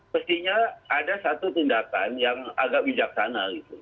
mestinya ada satu tindakan yang agak bijaksana gitu